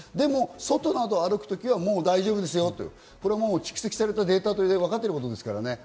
外歩くときはもう大丈夫ですよと、蓄積されたデータで分かってることですよね。